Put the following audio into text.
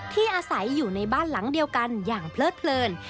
อาศัยอยู่ในบ้านหลังเดียวกันอย่างเพลิดเพลิน